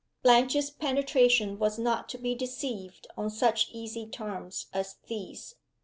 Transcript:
Blanche's penetration was not to be deceived on such easy terms as these.